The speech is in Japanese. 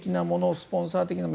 スポンサー的なもの